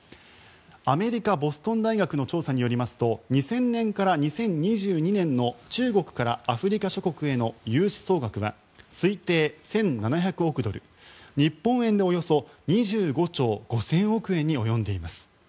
アメリカ、ボストン大学の調査によりますと２０００年から２０２２年の中国からアフリカ諸国への融資総額は推定１７００億ドル日本円でおよそ２５兆５０００億円に及んでいます。